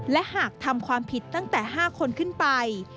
และหากทำความผิดตั้งแต่๕คนขึ้นไป